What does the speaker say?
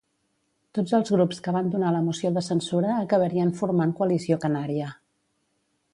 Tots els grups que van donar la moció de censura acabarien formant Coalició Canària.